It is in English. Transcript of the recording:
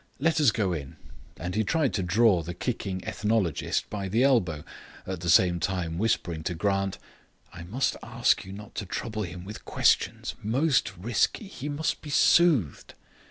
Let us go in," and he tried to draw the kicking ethnologist by the elbow, at the same time whispering to Grant: "I must ask you not to trouble him with questions. Most risky. He must be soothed."